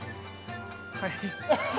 はい。